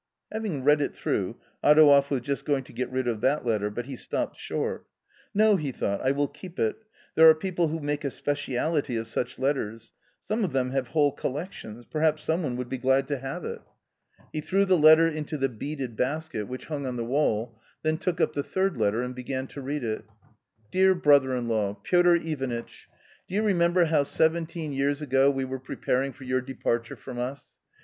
Having read it through, Adouev was just going to get rid of the letter, but he stopped short. a No," he thought, " I will keep it ; there are people who make a speciality of such letters ; some of them have whole collections — perhaps some one would be glad to have it. A COMMON STORY 3* He threw the letter into the beaded basket, which hung on the wall, then took up the third letter and began to read it : "D ear B rother in law, Piotr Ivanitch^— Do you remeriflSerhow seventeen years ago we were preparing for your departure from us